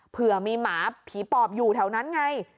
เผื่อมีหมาผีปอบอยู่แถวนั้นไง